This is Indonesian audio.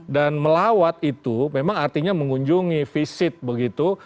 dan melawat itu memang artinya mengunjungi visit begitu